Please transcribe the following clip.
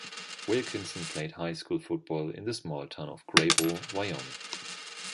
Wilkinson played high school football in the small town of Greybull, Wyoming.